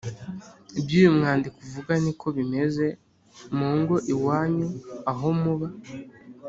Ibyo uyu mwandiko uvuga ni ko bimeze mu ngo iwanyu aho muba?